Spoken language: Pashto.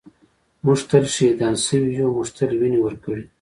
ًٍمونږ تل شهیدان شوي یُو مونږ تل وینې ورکــــړي